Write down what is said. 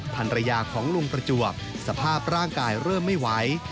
ภรรยาของลุงประจวบสภาพร่างกายเริ่มไม่ไหว